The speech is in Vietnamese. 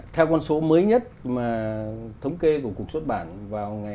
theo con số mới nhất mà thống kê của cuộc xuất bản vào ngày hai